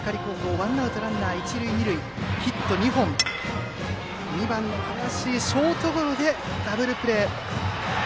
ワンアウトランナー、一塁二塁ヒット２本から２番、林ショートゴロでダブルプレー。